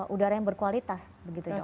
udara yang berkualitas begitu ya